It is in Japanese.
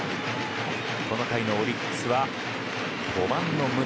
この回のオリックスは５番の宗。